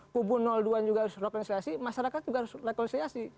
kubu dua juga harus rekonsiliasi masyarakat juga harus rekonsiliasi